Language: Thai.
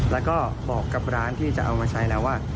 แล้วก็บอกกับร้านที่จะเอามาใช้แล้วว่า